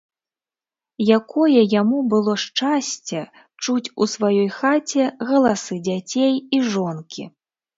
Якое яму было шчасце чуць у сваёй хаце галасы дзяцей і жонкі!